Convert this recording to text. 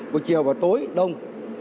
buổi chiều và tối đông